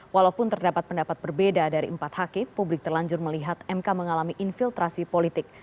walaupun terdapat pendapat berbeda dari empat hakim publik terlanjur melihat mk mengalami infiltrasi politik